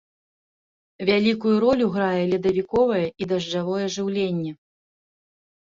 Вялікую ролю грае ледавіковае і дажджавое жыўленне.